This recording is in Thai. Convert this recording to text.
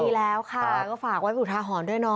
ดีแล้วค่ะก็ฝากไว้บุตรทาหอนด้วย